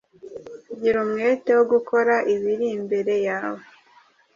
Gira umwete wo gukora ibiri imbere yawe